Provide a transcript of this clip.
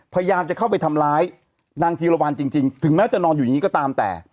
พยายามจะเข้าไปทำร้ายนางธีรวรรณจริงถึงแม้จะนอนอยู่อย่างนี้ก็ตามแต่